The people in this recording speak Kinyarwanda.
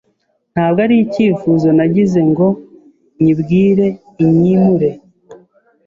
ntabwo ari icyifuzo nagize ngo nyibwire inyimure.